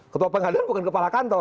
ketua pengadilan bukan kepala kantor